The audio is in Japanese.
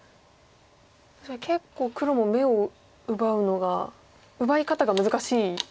確かに結構黒も眼を奪うのが奪い方が難しいですね。